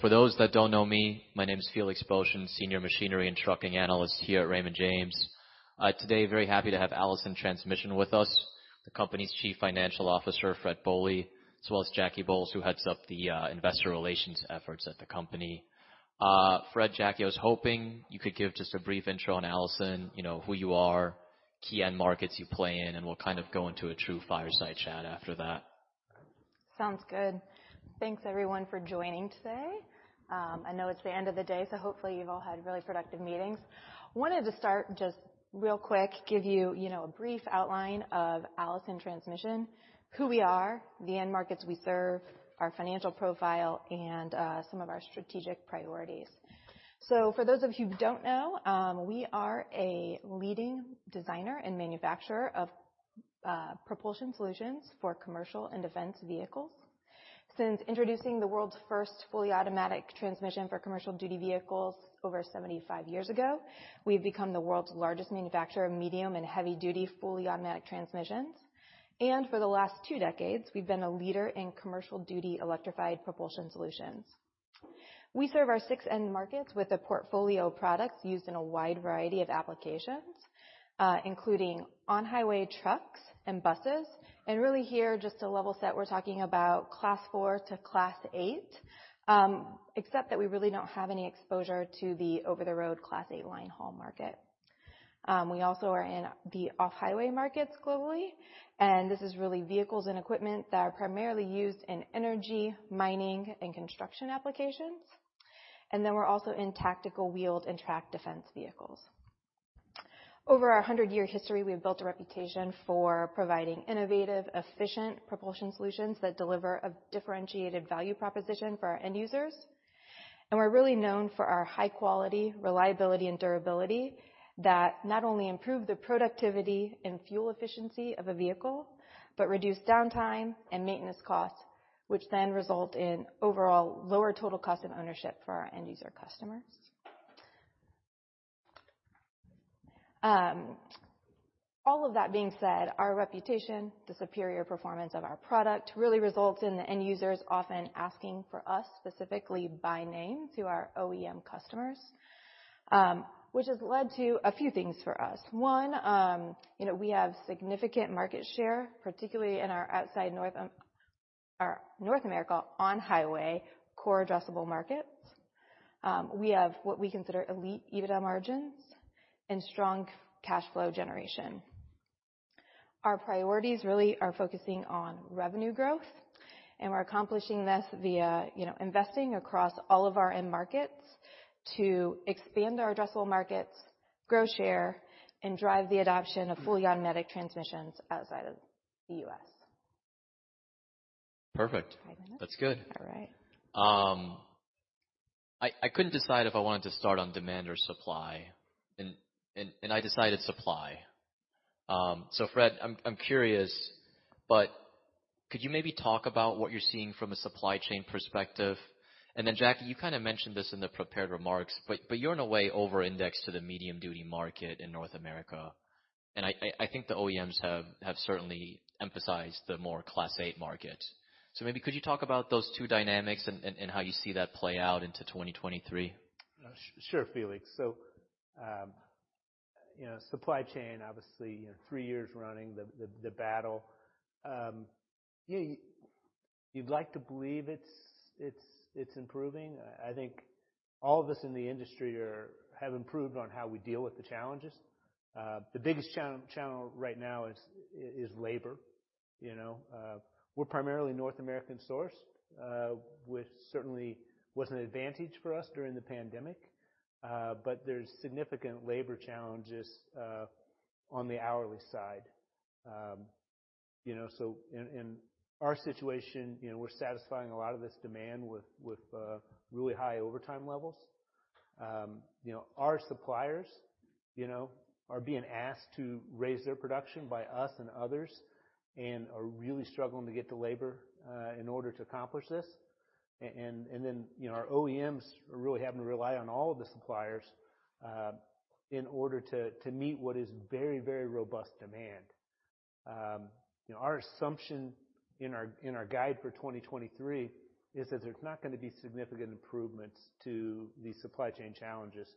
For those that don't know me, my name is Felix Boeschen, Senior Machinery and Trucking Analyst here at Raymond James. Today, very happy to have Allison Transmission with us, the company's Chief Financial Officer, Fred Bohley, as well as Jackie Bolles, who heads up the Investor Relations efforts at the company. Fred, Jaclyn, I was hoping you could give just a brief intro on Allison, you know, who you are, key end markets you play in, and we'll kind of go into a true fireside chat after that. Sounds good. Thanks, everyone, for joining today. I know it's the end of the day, hopefully you've all had really productive meetings. Wanted to start just real quick, give you know, a brief outline of Allison Transmission, who we are, the end markets we serve, our financial profile, and some of our strategic priorities. For those of you who don't know, we are a leading designer and manufacturer of propulsion solutions for commercial and defense vehicles. Since introducing the world's first fully automatic transmission for commercial duty vehicles over 75 years ago, we've become the world's largest manufacturer of medium and heavy duty fully automatic transmissions. For the last two decades, we've been a leader in commercial duty electrified propulsion solutions. We serve our six end markets with a portfolio of products used in a wide variety of applications, including on-highway trucks and buses. Really here, just to level set, we're talking about Class 4 to Class 8, except that we really don't have any exposure to the over-the-road Class 8 line haul market. We also are in the off-highway markets globally, and this is really vehicles and equipment that are primarily used in energy, mining, and construction applications. Then we're also in tactical wheeled and tracked defense vehicles. Over our 100-year history, we've built a reputation for providing innovative, efficient propulsion solutions that deliver a differentiated value proposition for our end users. We're really known for our high quality, reliability, and durability that not only improve the productivity and fuel efficiency of a vehicle, but reduce downtime and maintenance costs, which then result in overall lower total cost of ownership for our end user customers. All of that being said, our reputation, the superior performance of our product really results in the end users often asking for us specifically by name to our OEM customers, which has led to a few things for us. One, you know, we have significant market share, particularly in our outside North America on highway core addressable markets. We have what we consider elite EBITDA margins and strong cash flow generation. Our priorities really are focusing on revenue growth, and we're accomplishing this via, you know, investing across all of our end markets to expand our addressable markets, grow share, and drive the adoption of fully automatic transmissions outside of the U.S. Perfect. Five minutes. That's good. All right. I couldn't decide if I wanted to start on demand or supply, and I decided supply. Fred, I'm curious, could you maybe talk about what you're seeing from a supply chain perspective? Jackie, you kinda mentioned this in the prepared remarks, you're in a way over-indexed to the medium-duty market in North America. I think the OEMs have certainly emphasized the more Class 8 market. Maybe could you talk about those two dynamics and how you see that play out into 2023? Sure, Felix. You know, supply chain, obviously, you know, three years running the battle. Yeah, you'd like to believe it's improving. I think all of us in the industry have improved on how we deal with the challenges. The biggest channel right now is labor. You know, we're primarily North American sourced, which certainly was an advantage for us during the pandemic, but there's significant labor challenges on the hourly side. You know, so in our situation, you know, we're satisfying a lot of this demand with really high overtime levels. You know, our suppliers, you know, are being asked to raise their production by us and others and are really struggling to get the labor in order to accomplish this. You know, our OEMs are really having to rely on all of the suppliers in order to meet what is very, very robust demand. You know, our assumption in our guide for 2023 is that there's not gonna be significant improvements to the supply chain challenges.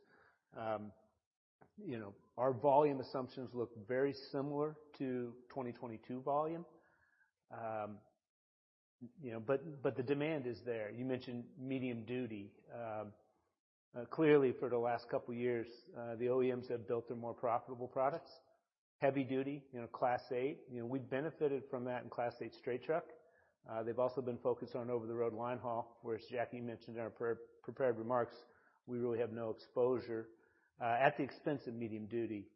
You know, our volume assumptions look very similar to 2022 volume. You know, the demand is there. You mentioned medium duty. Clearly for the last couple years, the OEMs have built their more profitable products. Heavy duty, you know, Class 8, you know, we benefited from that in Class 8 straight truck. They've also been focused on over-the-road line haul, whereas Jackie mentioned in our prepared remarks, we really have no exposure at the expense of medium duty.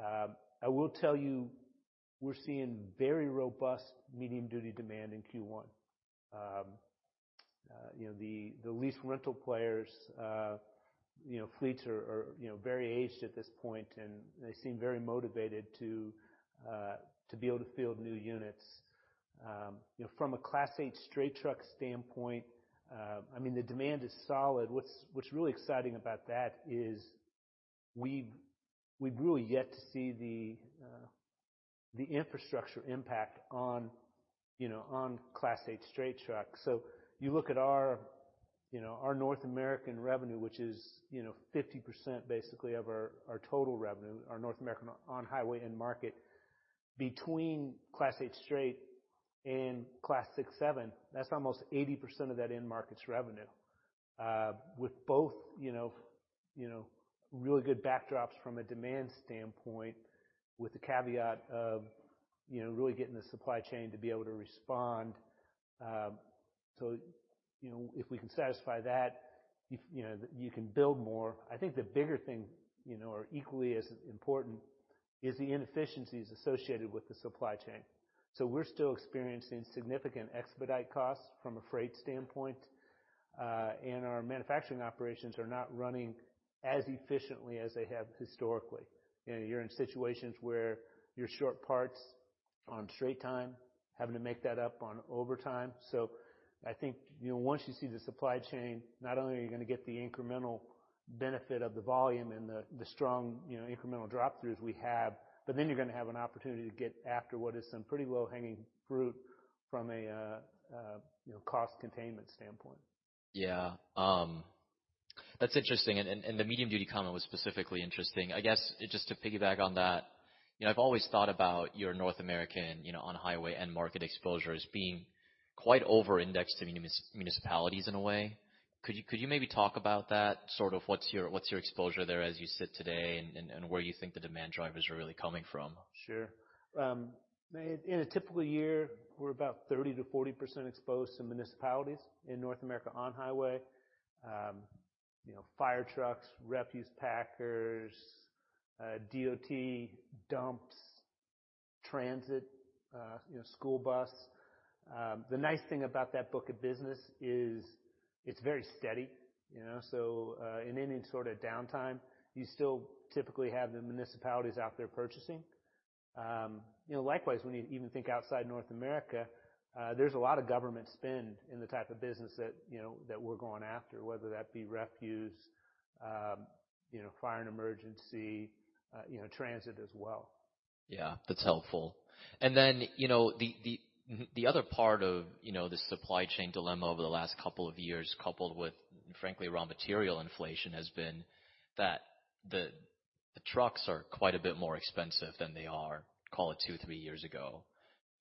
I will tell you, we're seeing very robust medium duty demand in Q1. You know, the lease rental players, you know, fleets are, you know, very aged at this point, and they seem very motivated to be able to field new units. You know, from a Class 8 straight truck standpoint, I mean, the demand is solid. What's really exciting about that is we've really yet to see The infrastructure impact on, you know, on Class 8 straight trucks. You look at our, you know, our North American revenue, which is, you know, 50% basically of our total revenue, our North American on-highway end market between Class 8 straight and Class 6, Class 7, that's almost 80% of that end market's revenue. With both, you know, really good backdrops from a demand standpoint with the caveat of, you know, really getting the supply chain to be able to respond. If we can satisfy that, you know, you can build more. I think the bigger thing, you know, or equally as important is the inefficiencies associated with the supply chain. We're still experiencing significant expedite costs from a freight standpoint, and our manufacturing operations are not running as efficiently as they have historically. You know, you're in situations where you're short parts on straight time, having to make that up on overtime. I think, you know, once you see the supply chain, not only are you gonna get the incremental benefit of the volume and the strong, you know, incremental drop-throughs we have, but then you're gonna have an opportunity to get after what is some pretty low-hanging fruit from a, you know, cost containment standpoint. Yeah. That's interesting. The medium duty comment was specifically interesting. I guess just to piggyback on that, you know, I've always thought about your North American, you know, on-highway end market exposure as being quite over-indexed to municipalities in a way. Could you maybe talk about that? Sort of what's your exposure there as you sit today and where you think the demand drivers are really coming from? Sure. In a typical year, we're about 30%-40% exposed to municipalities in North America on-highway. You know, fire trucks, refuse packers, DOT dumps, transit, you know, school bus. The nice thing about that book of business is it's very steady, you know? In any sort of downtime, you still typically have the municipalities out there purchasing. You know, likewise, when you even think outside North America, there's a lot of government spend in the type of business that, you know, that we're going after, whether that be refuse, you know, fire and emergency, you know, transit as well. Yeah, that's helpful. Then, you know, the other part of, you know, the supply chain dilemma over the last couple of years, coupled with, frankly, raw material inflation, has been that the trucks are quite a bit more expensive than they are, call it two, three years ago.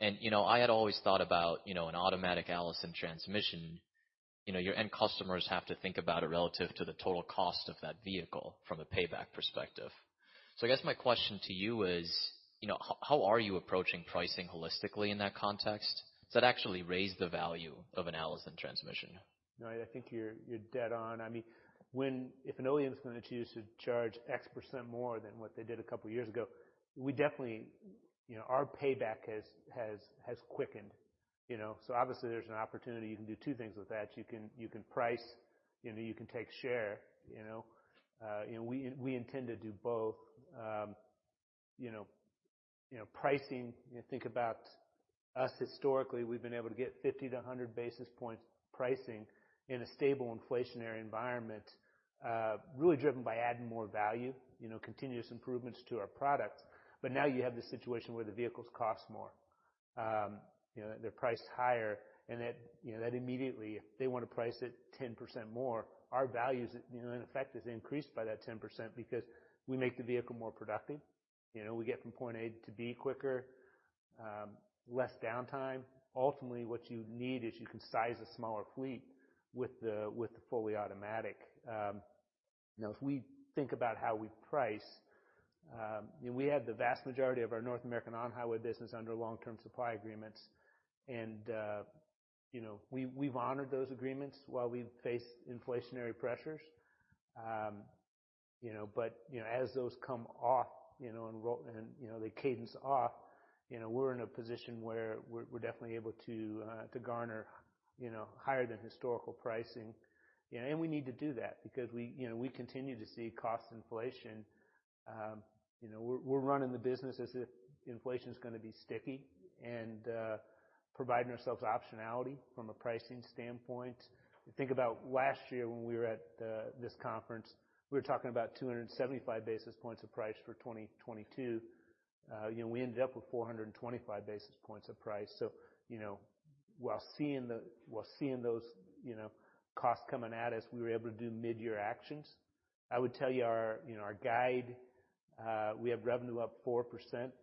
You know, I had always thought about, you know, an automatic Allison Transmission, you know, your end customers have to think about it relative to the total cost of that vehicle from a payback perspective. I guess my question to you is, you know, how are you approaching pricing holistically in that context? Does that actually raise the value of an Allison Transmission? I think you're dead on. I mean, if an OEM is gonna choose to charge X% more than what they did a couple of years ago, we definitely, you know, our payback has quickened, you know? Obviously, there's an opportunity. You can do two things with that. You can price, you know, you can take share, you know. You know, we intend to do both. You know, pricing, you think about us historically, we've been able to get 50 to 100 basis points pricing in a stable inflationary environment, really driven by adding more value, you know, continuous improvements to our products. Now you have this situation where the vehicles cost more. You know, they're priced higher, and that, you know, that immediately, if they want to price it 10% more, our values, you know, in effect, has increased by that 10% because we make the vehicle more productive. You know, we get from point A to B quicker, less downtime. Ultimately, what you need is you can size a smaller fleet with the, with the fully automatic. You know, if we think about how we price, you know, we have the vast majority of our North American on-highway business under long-term supply agreements. You know, we've honored those agreements while we face inflationary pressures. You know, as those come off, you know, and roll, and, you know, they cadence off, you know, we're in a position where we're definitely able to garner, you know, higher than historical pricing. You know, we need to do that because we, you know, we continue to see cost inflation. You know, we're running the business as if inflation is gonna be sticky and providing ourselves optionality from a pricing standpoint. You think about last year when we were at this conference, we were talking about 275 basis points of price for 2022. You know, we ended up with 425 basis points of price. You know, while seeing those, you know, costs coming at us, we were able to do mid-year actions. I would tell you our, you know, our guide, we have revenue up 4%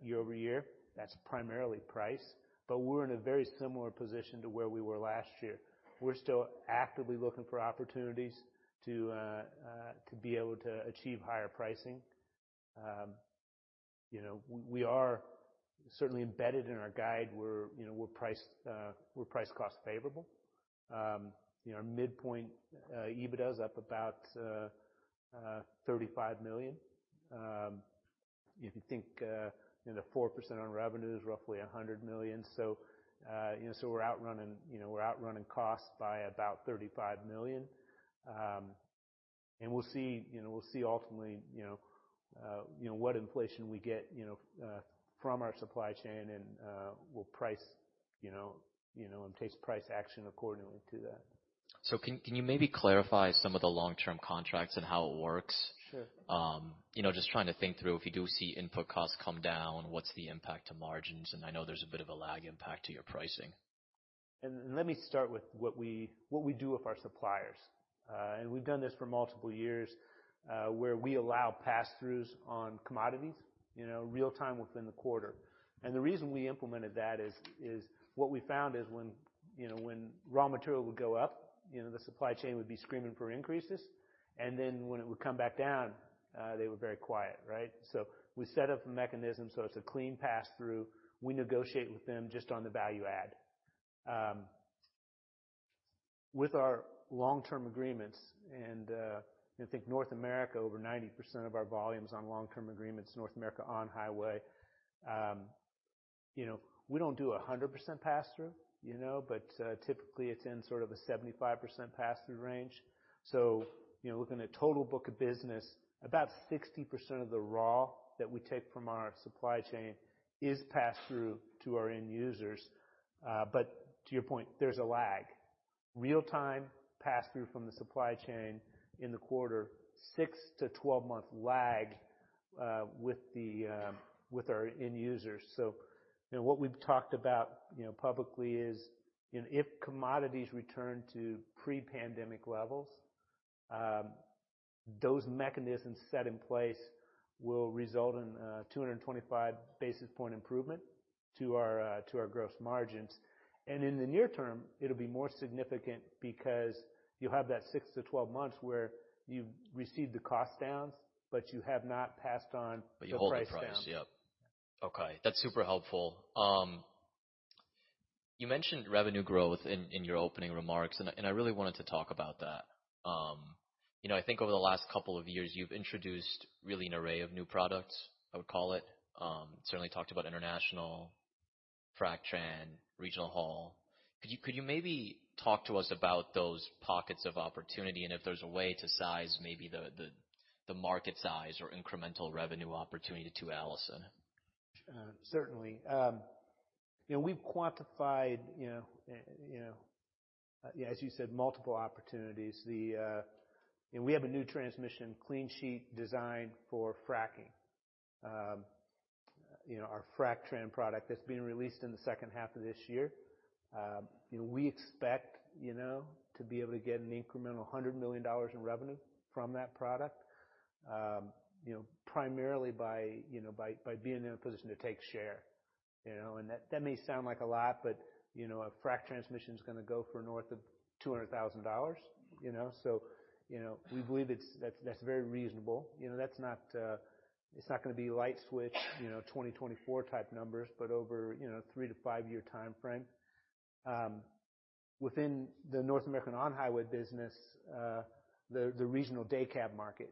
year-over-year. That's primarily price. We're in a very similar position to where we were last year. We're still actively looking for opportunities to be able to achieve higher pricing. You know, we are certainly embedded in our guide. We're, you know, we're price, we're price cost favorable. You know, our midpoint, EBITDA is up about $35 million. If you think, you know, 4% on revenue is roughly $100 million. You know, so we're outrunning, you know, we're outrunning costs by about $35 million. We'll see, you know, ultimately, you know, what inflation we get, you know, from our supply chain and we'll price, you know, and take price action accordingly to that. Can you maybe clarify some of the long-term contracts and how it works? Sure. you know, just trying to think through if you do see input costs come down, what's the impact to margins? I know there's a bit of a lag impact to your pricing. Let me start with what we do with our suppliers. We've done this for multiple years, where we allow passthroughs on commodities, real-time within the quarter. The reason we implemented that is what we found is when raw material would go up, the supply chain would be screaming for increases, and then when it would come back down, they were very quiet, right? We set up a mechanism so it's a clean passthrough. We negotiate with them just on the value add. With our long-term agreements, I think North America, over 90% of our volumes on long-term agreements, North America on highway. We don't do a 100% passthrough, typically, it's in sort of a 75% passthrough range. You know, looking at total book of business, about 60% of the raw that we take from our supply chain is passed through to our end users. To your point, there's a lag. Real-time passthrough from the supply chain in the quarter, six to 12-month lag with the with our end users. You know, what we've talked about, you know, publicly is, you know, if commodities return to pre-pandemic levels, those mechanisms set in place will result in 225 basis point improvement to our to our gross margins. In the near term, it'll be more significant because you have that six to 12 months where you've received the cost downs, but you have not passed on- You hold the price. The price down. Yep. Okay, that's super helpful. You mentioned revenue growth in your opening remarks, and I really wanted to talk about that. You know, I think over the last couple of years, you've introduced really an array of new products, I would call it. Certainly talked about international FracTran, Regional Haul. Could you maybe talk to us about those pockets of opportunity, and if there's a way to size maybe the market size or incremental revenue opportunity to Allison? Certainly. You know, we've quantified, you know, as you said, multiple opportunities. The, you know, we have a new transmission clean sheet designed for fracking. You know, our FracTran product that's being released in the second half of this year. You know, we expect, you know, to be able to get an incremental $100 million in revenue from that product. You know, primarily by, you know, by being in a position to take share, you know. That, that may sound like a lot, but, you know, a frac transmission is gonna go for north of $200,000, you know. You know, we believe that's very reasonable. You know, that's not, it's not gonna be light switch, you know, 2024 type numbers, but over, you know, three to five-year timeframe. Within the North American on-highway business, the regional day cab market,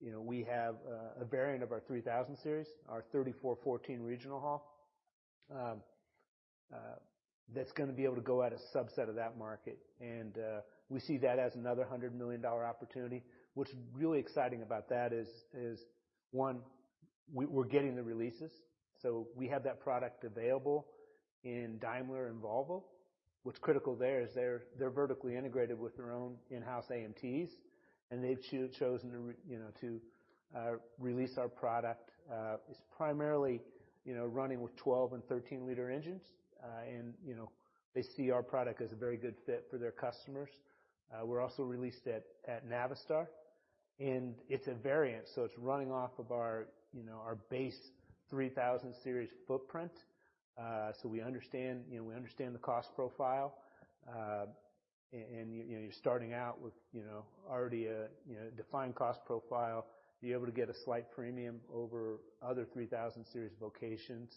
you know, we have a variant of our 3000 Series, our 3414 Regional Haul. That's gonna be able to go at a subset of that market. We see that as another $100 million opportunity. What's really exciting about that is one, we're getting the releases. We have that product available in Daimler and Volvo. What's critical there is they're vertically integrated with their own in-house AMTs, and they've chosen to you know, to release our product. It's primarily, you know, running with 12 L and 13 L engines. You know, they see our product as a very good fit for their customers. We're also released at Navistar. It's a variant, so it's running off of our, you know, our base 3000 Series footprint. We understand, you know, we understand the cost profile. You know, you're starting out with, you know, already a, you know, defined cost profile. Be able to get a slight premium over other 3000 Series vocations.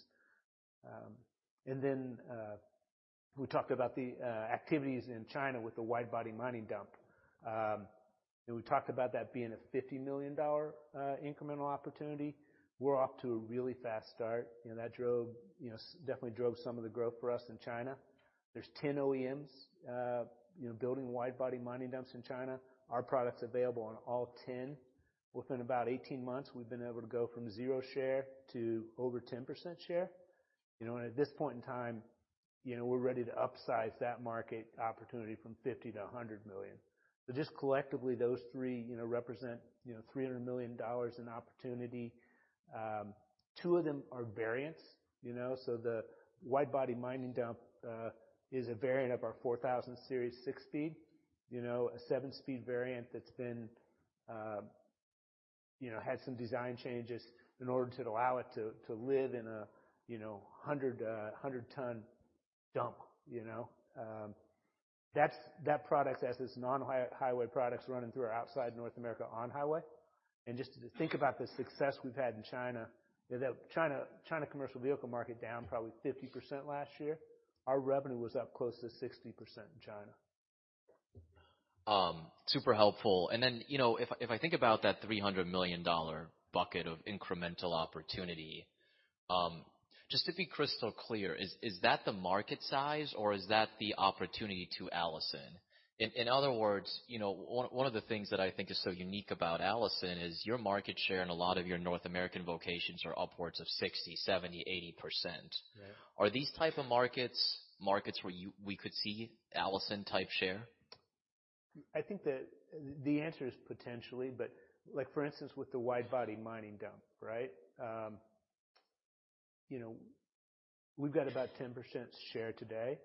We talked about the activities in China with the wide body mining dump. We talked about that being a $50 million incremental opportunity. We're off to a really fast start. You know, that drove, you know, definitely drove some of the growth for us in China. There's 10 OEMs, you know, building wide body mining dumps in China. Our product's available on all 10. Within about 18 months, we've been able to go from zero share to over 10% share. At this point in time, you know, we're ready to upsize that market opportunity from $50 million to $100 million. Just collectively, those three, you know, represent, you know, $300 million in opportunity. Two of them are variants, you know. The wide body mining dump is a variant of our 4000 Series six-speed. A seven-speed variant that's been, had some design changes in order to allow it to live in a, you know, 100 ton dump, you know. That product as is non-highway products running through our outside North America on-highway. Just to think about the success we've had in China, you know, that China commercial vehicle market down probably 50% last year. Our revenue was up close to 60% in China. Super helpful. you know, if I think about that $300 million bucket of incremental opportunity, just to be crystal clear, is that the market size or is that the opportunity to Allison? In other words, you know, one of the things that I think is so unique about Allison is your market share in a lot of your North American vocations are upwards of 60%, 70%, 80%. Right. Are these type of markets where we could see Allison type share? I think that the answer is potentially, like for instance, with the wide body mining dump, right? You know, we've got about 10% share today.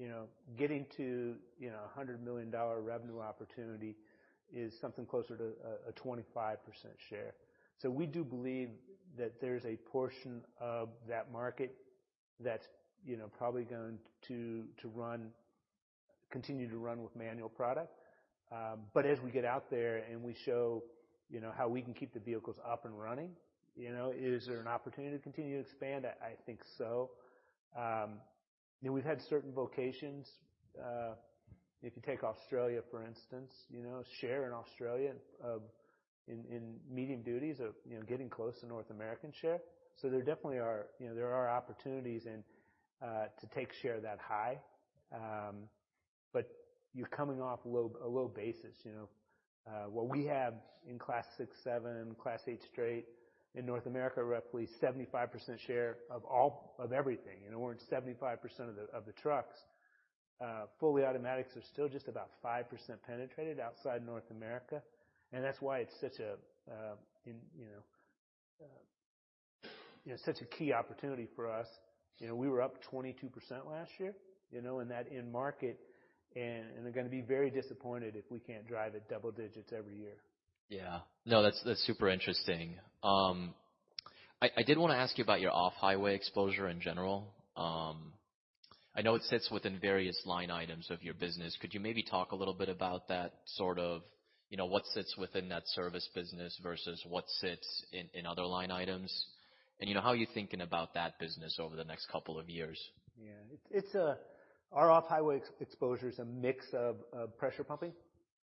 You know, getting to, you know, a $100 million revenue opportunity is something closer to a 25% share. We do believe that there's a portion of that market that's, you know, probably going to continue to run with manual product. As we get out there and we show, you know, how we can keep the vehicles up and running, you know, is there an opportunity to continue to expand that? I think so. You know, we've had certain vocations, if you take Australia, for instance, you know, share in Australia of, in medium duties of, you know, getting close to North American share. There definitely are, you know, there are opportunities and to take share that high. You're coming off a low basis, you know. What we have in Class 6, Class 7, Class 8 straight in North America, roughly 75% share of everything. You know, we're in 75% of the trucks. Fully automatics are still just about 5% penetrated outside North America, that's why it's such a, you know, you know, such a key opportunity for us. You know, we were up 22% last year, you know, in that end market. I'm gonna be very disappointed if we can't drive it double digits every year. Yeah. No, that's super interesting. I did wanna ask you about your off-highway exposure in general. I know it sits within various line items of your business. Could you maybe talk a little bit about that sort of, you know, what sits within that service business versus what sits in other line items? You know, how are you thinking about that business over the next couple of years? Yeah. It's Our off-highway exposure is a mix of pressure pumping,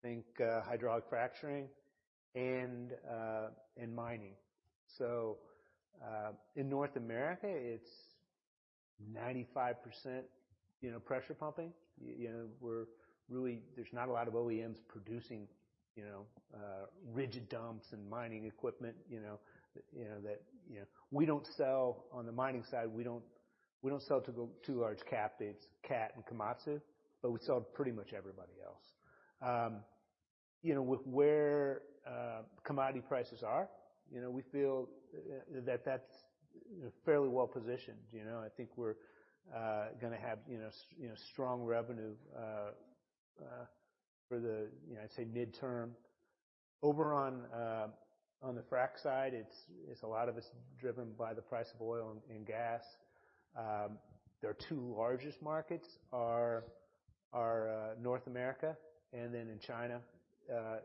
think hydraulic fracturing and mining. In North America, it's 95%, you know, pressure pumping. You know, there's not a lot of OEMs producing, you know, rigid dumps and mining equipment, you know, you know, that, you know. We don't sell on the mining side. We don't sell to the two large cap digs, Caterpillar and Komatsu, we sell to pretty much everybody else. You know, with where commodity prices are, you know, we feel that's, you know, fairly well-positioned, you know. I think we're gonna have, you know, strong revenue for the, you know, I'd say midterm. Over on the frack side, it's a lot of it's driven by the price of oil and gas. Their two largest markets are North America, in China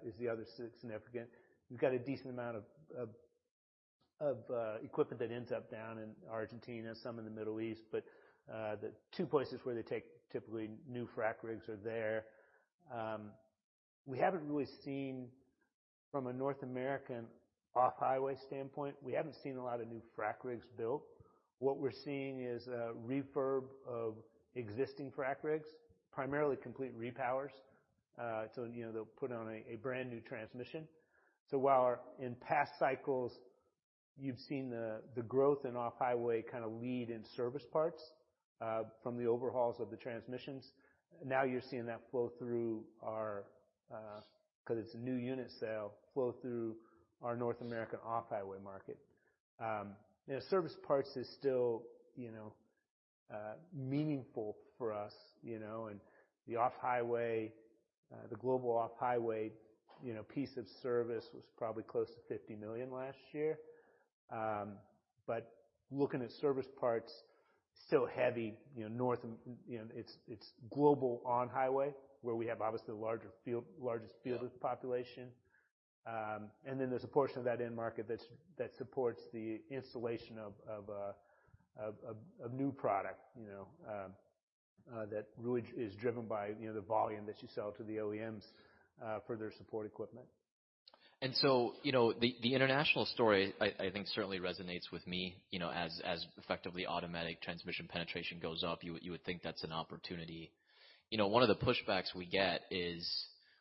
is the other significant. We've got a decent amount of equipment that ends up down in Argentina, some in the Middle East. The two places where they take typically new frack rigs are there. We haven't really seen from a North American off-highway standpoint, we haven't seen a lot of new frack rigs built. What we're seeing is a refurb of existing frack rigs, primarily complete repowers. You know, they'll put on a brand-new transmission. While in past cycles you've seen the growth in off-highway kinda lead in service parts from the overhauls of the transmissions, now you're seeing that flow through our 'cause it's a new unit sale, flow through our North American off-highway market. You know, service parts is still, you know, meaningful for us, you know, and the off-highway, the global off-highway, you know, piece of service was probably close to $50 million last year. Looking at service parts still heavy, you know, North, you know, it's global on-highway where we have obviously the largest fielded population. Then there's a portion of that end market that supports the installation of new product, you know, that really is driven by, you know, the volume that you sell to the OEMs for their support equipment. You know, the international story, I think certainly resonates with me, you know, as effectively automatic transmission penetration goes up, you would think that's an opportunity. You know, one of the pushbacks we get is,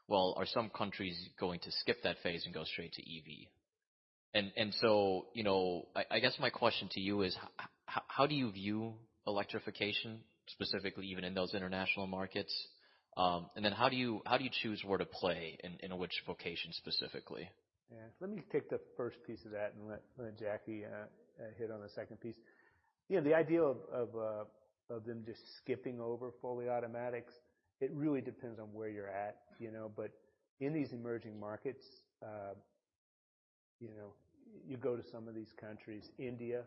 well, are some countries going to skip that phase and go straight to EV? You know, I guess my question to you is how do you view electrification specifically even in those international markets? How do you choose where to play in which vocation specifically? Yeah. Let me take the first piece of that and let Jackie hit on the second piece. Yeah, the idea of them just skipping over fully automatics, it really depends on where you're at, you know? In these emerging markets, you know, you go to some of these countries, India,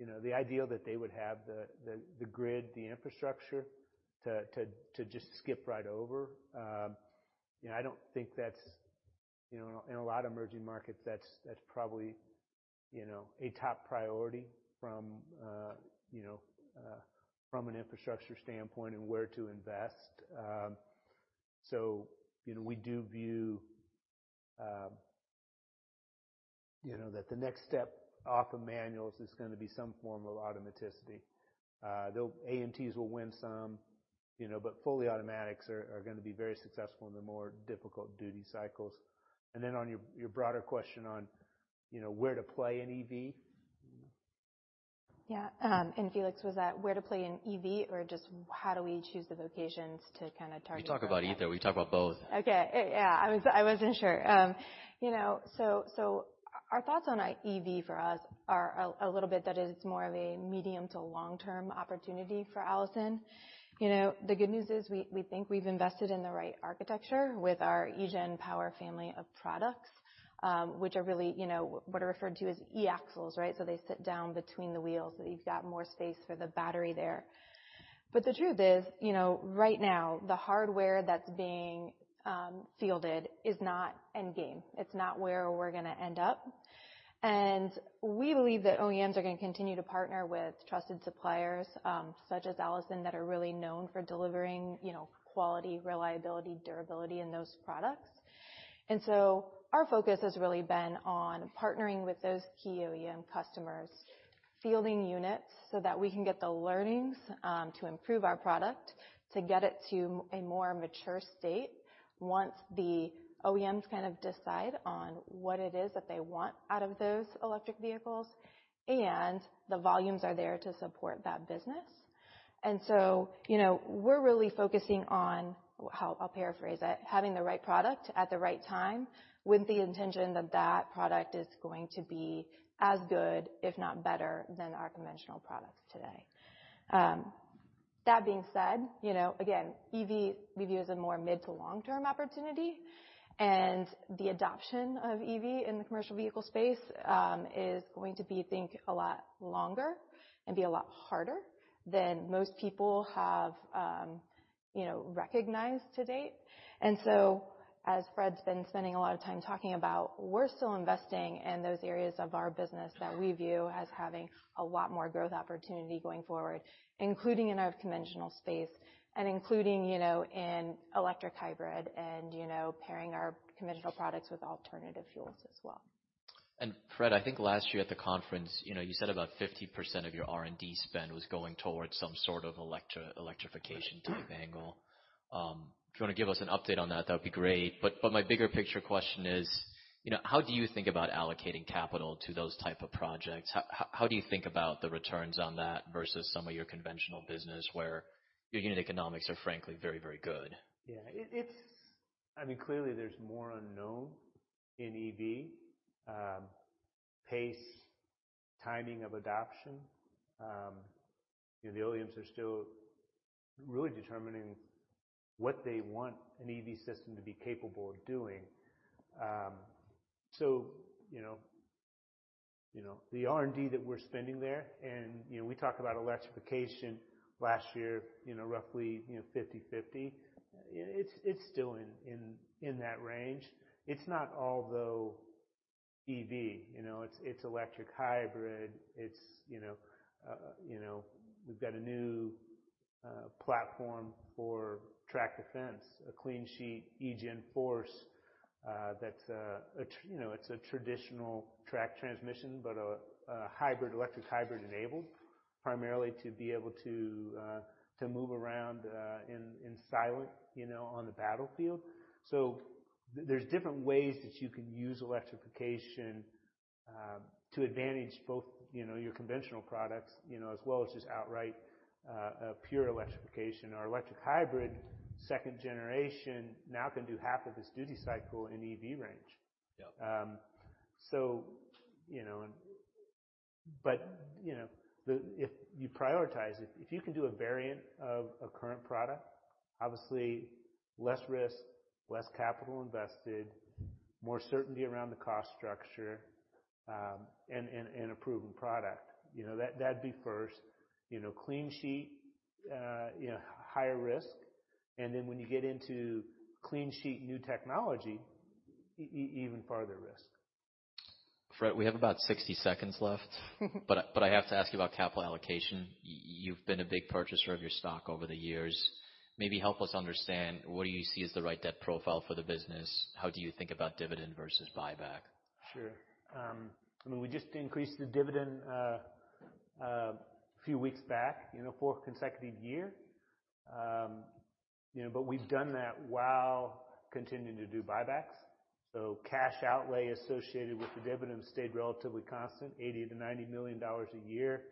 you know, the idea that they would have the grid, the infrastructure to just skip right over, you know, I don't think that's, you know, in a lot of emerging markets, that's probably, you know, a top priority from, you know, from an infrastructure standpoint and where to invest. You know, we do view, you know that the next step off of manuals is gonna be some form of automaticity. AMTs will win some, you know, but fully automatics are gonna be very successful in the more difficult duty cycles. Then on your broader question on, you know, where to play in EV. Yeah. Felix, was that where to play in EV or just how do we choose the locations to kinda target- We talk about either. We talk about both. Okay. Yeah, I was, I wasn't sure. You know, so our thoughts on EV for us are a little bit that it's more of a medium to long-term opportunity for Allison. You know, the good news is we think we've invested in the right architecture with our eGen Power family of products, which are really, you know, what are referred to as e-axles, right? They sit down between the wheels, so you've got more space for the battery there. The truth is, you know, right now the hardware that's being fielded is not endgame. It's not where we're gonna end up. We believe that OEMs are gonna continue to partner with trusted suppliers, such as Allison, that are really known for delivering, you know, quality, reliability, durability in those products. Our focus has really been on partnering with those key OEM customers, fielding units so that we can get the learnings, to improve our product, to get it to a more mature state once the OEMs kind of decide on what it is that they want out of those electric vehicles and the volumes are there to support that business. You know, we're really focusing on I'll paraphrase it, having the right product at the right time with the intention that that product is going to be as good, if not better, than our conventional products today. That being said, you know, again, EV we view as a more mid to long-term opportunity, and the adoption of EV in the commercial vehicle space is going to be, I think, a lot longer and be a lot harder than most people have, you know, recognized to date. As Fred's been spending a lot of time talking about, we're still investing in those areas of our business that we view as having a lot more growth opportunity going forward, including in our conventional space and including, you know, in electric hybrid and, you know, pairing our conventional products with alternative fuels as well. Fred, I think last year at the conference, you know, you said about 50% of your R&D spend was going towards some sort of electrification type angle. If you wanna give us an update on that would be great. My bigger picture question is, you know, how do you think about allocating capital to those type of projects? How do you think about the returns on that versus some of your conventional business where your unit economics are frankly very, very good? Yeah. I mean, clearly there's more unknown in EV pace, timing of adoption. You know, the OEMs are still really determining what they want an EV system to be capable of doing. You know, the R&D that we're spending there and, you know, we talk about electrification last year, roughly 50/50. It's still in that range. It's not all though EV, you know. It's electric hybrid. You know, we've got a new platform for track defense, a clean sheet, eGen Force, that's, you know, it's a traditional track transmission, but a hybrid, electric hybrid enabled primarily to be able to move around in silent, you know, on the battlefield. There's different ways that you can use electrification to advantage both, you know, your conventional products, you know, as well as just outright a pure electrification. Our electric hybrid second generation now can do half of its duty cycle in EV range. Yeah. You know, if you prioritize it, if you can do a variant of a current product, obviously less risk, less capital invested, more certainty around the cost structure, and a proven product. You know, that'd be first. You know, clean sheet, you know, higher risk. When you get into clean sheet new technology even farther risk. Fred, we have about 60 seconds left. I have to ask you about capital allocation. You've been a big purchaser of your stock over the years. Maybe help us understand what do you see as the right debt profile for the business? How do you think about dividend versus buyback? Sure. I mean, we just increased the dividend a few weeks back, you know, 4th consecutive year. You know, we've done that while continuing to do buybacks. Cash outlay associated with the dividend stayed relatively constant, $80 million-$90 million a year.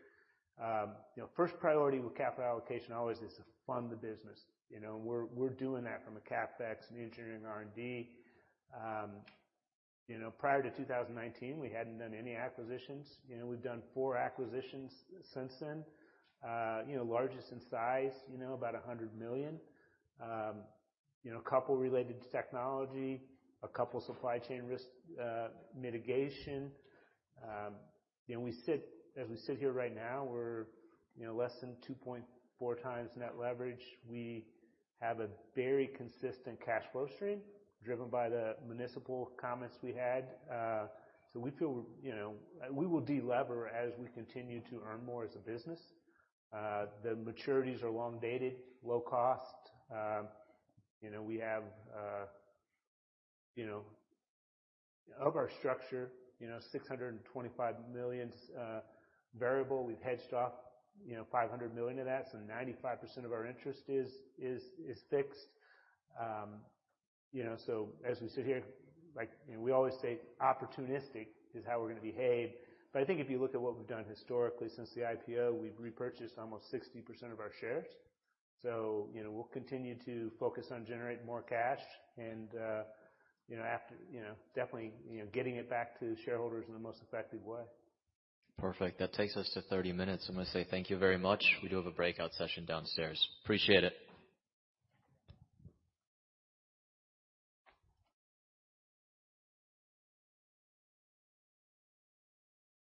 You know, first priority with capital allocation always is to fund the business, you know. We're doing that from a CapEx and engineering R&D. You know, prior to 2019, we hadn't done any acquisitions. You know, we've done 4 acquisitions since then. You know, largest in size, you know, about $100 million. You know, a couple related to technology, a couple supply chain risk mitigation. You know, as we sit here right now, we're, you know, less than 2.4x net leverage. We have a very consistent cash flow stream driven by the municipal comments we had. We feel, you know, we will de-lever as we continue to earn more as a business. The maturities are long dated, low cost. You know, we have, you know, of our structure, you know, $625 million variable. We've hedged off, you know, $500 million of that, so 95% of our interest is fixed. You know, as we sit here, like, you know, we always say opportunistic is how we're gonna behave. I think if you look at what we've done historically since the IPO, we've repurchased almost 60% of our shares. You know, we'll continue to focus on generating more cash and, you know, after, you know, definitely, you know, getting it back to shareholders in the most effective way. Perfect. That takes us to 30 minutes. I'm gonna say thank you very much. We do have a breakout session downstairs. Appreciate it.